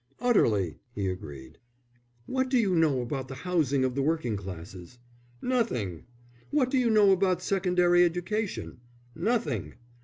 "Utterly!" he agreed. "What do you know about the Housing of the Working Classes?" "Nothing!" "What do you know about Secondary Education?" "Nothing!"